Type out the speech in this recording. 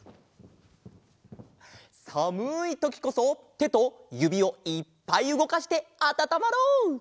さむいときこそてとゆびをいっぱいうごかしてあたたまろう！